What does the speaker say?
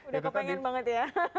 udah kepengen banget ya